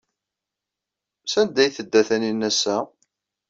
Sanda ay tedda Taninna ass-a?